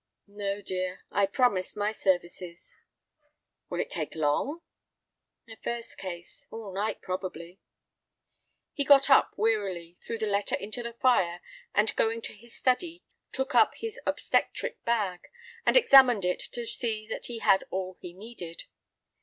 "No, dear, I promised my services." "Will it take long?" "A first case—all night, probably." He got up wearily, threw the letter into the fire, and going to his study took up his obstetric bag and examined it to see that he had all he needed.